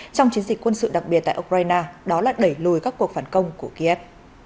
trong chiến dịch quân sự đặc biệt tại ukraine đó là đẩy lùi các cuộc phản công của kiev